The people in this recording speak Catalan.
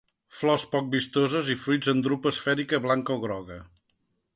Flors poc vistoses i fruits en drupa esfèrica blanca o groga.